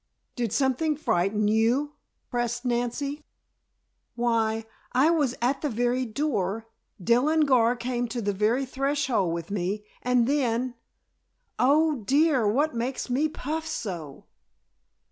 Did something frighten you?" pressed Nancy. "Why I was at the very door, Dell and Gar came to the very threshold with me, and then oh, dear, what makes me puff so?"